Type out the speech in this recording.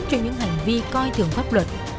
cho những hành vi coi thường pháp luật